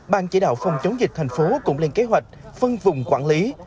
ban chỉ đạo phòng chống dịch thành phố cũng lên kế hoạch phân vùng quản lý